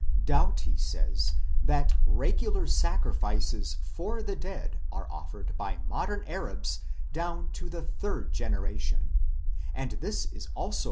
Doughty says that regular sacrifices for the dead are offered by modern Arabs down to the third generation, 4 and this 1 Hastings Encycl. .